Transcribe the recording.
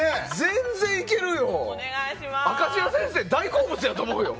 明石家先生、大好物やと思うよ。